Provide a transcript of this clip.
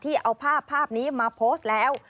เอาภาพนี้มาโพสต์แล้ว